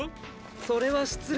それは失礼。